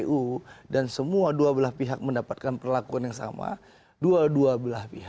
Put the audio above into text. usaha jeda tetap bersama kami